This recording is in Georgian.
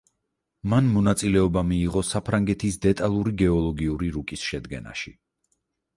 მან მონაწილეობა მიიღო საფრანგეთის დეტალური გეოლოგიური რუკის შედგენაში.